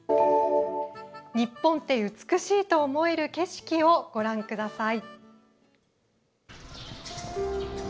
日本って美しいと思える景色をご覧ください。